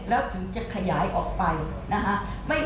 แล้วถึงจะขยายออกไปนะฮะ